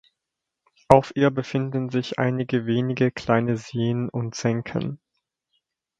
Auf ihr befinden sich einige wenige kleine Seen und Senken.